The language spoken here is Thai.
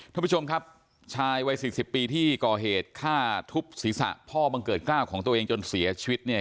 ท่านผู้ชมครับชายวัยสี่สิบปีที่ก่อเหตุฆ่าทุบศีรษะพ่อบังเกิดกล้าวของตัวเองจนเสียชีวิตเนี่ย